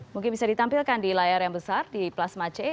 mungkin bisa ditampilkan di layar yang besar di plasma c